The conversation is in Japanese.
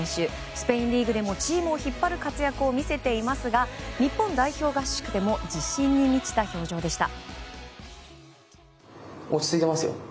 スペインリーグでもチームを引っ張る活躍を見せていますが日本代表合宿でも自信に満ちた表情でした。